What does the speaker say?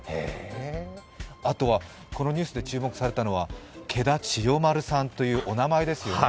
あとこのニュースで注目されたのは、毛田千代丸さんというお名前ですよね。